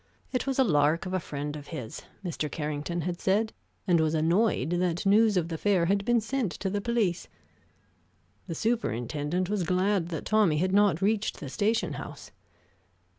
It was a lark of a friend of his, Mr. Carrington had said, and was annoyed that news of the affair had been sent to the police. The superintendent was glad that Tommy had not reached the station house.